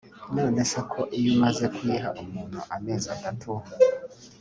none se ko iyo umaze kuriha umuntu amezi atatu